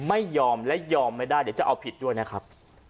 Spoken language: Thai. ไม่ยอมและยอมไม่ได้เดี๋ยวจะเอาผิดด้วยนะครับ